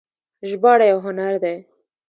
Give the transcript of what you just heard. ژباړه یو هنر دی